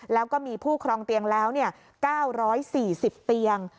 แล้วก็มีผู้ครองเตียงแล้ว๙๔๐เตียง